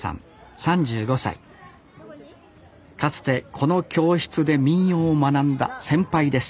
かつてこの教室で民謡を学んだ先輩です